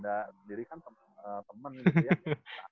diri kan temen gitu ya